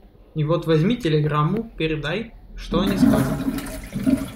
И вот возьми телеграмму, передай, что они скажут.